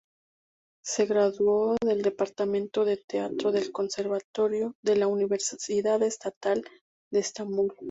Se graduó del departamento de teatro del Conservatorio de la Universidad Estatal de Estambul.